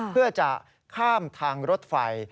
เพื่อจะข้ามทางรถไฟ